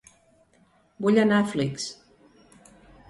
Vull anar a Flix